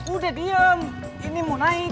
udah diam ini mau naik